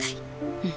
うん。